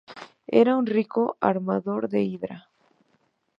Era un rico armador de Hidra.